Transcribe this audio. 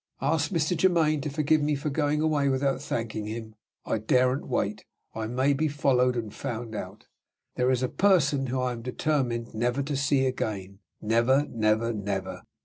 Ask Mr. Germaine to forgive me for going away without thanking him. I daren't wait! I may be followed and found out. There is a person whom I am determined never to see again never! never! never!